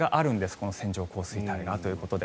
この線状降水帯がということで。